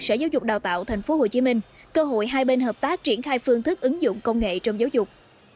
sở giáo dục đào tạo tp hcm cơ hội hai bên hợp tác triển khai phương thức ứng dụng công nghệ trong giáo dục